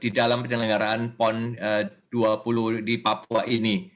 di dalam penyelenggaraan pon dua puluh di papua ini